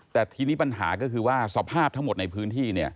แต่ทีนี้ปัญหาก็คือว่าสภาพทั้งหมดในพื้นที่